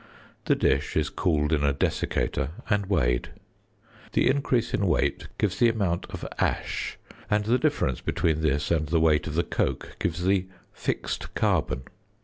The dish is cooled in a dessicator, and weighed. The increase in weight gives the amount of "ash," and the difference between this and the weight of the coke gives the "fixed carbon."